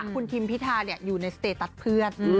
คุณทิมพิธาอยู่ในสเตตัสเพื่อน